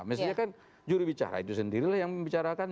mestinya kan juru bicara itu sendiri yang membicarakan